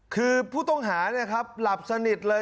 คือผู้ต้องหาหลับสนิทเลย